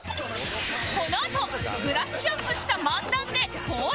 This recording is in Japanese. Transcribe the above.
このあとブラッシュアップした漫談で高齢者の前へ